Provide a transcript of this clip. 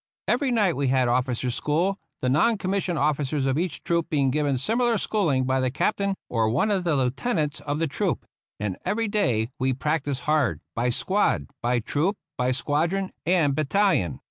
Every night we had officers' school, the non commissioned officers of each troop being given similar schooling by the Captain or one of the Lieutenants of the troop ; and every day we practised hard, by squad, by troop, by squadron and battalion.